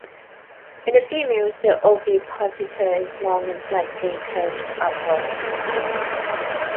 In the females the ovipositor is long and slightly curved upwards.